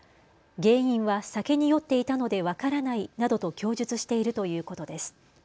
原因は酒に酔っていたので分からないなどと供述しているということです。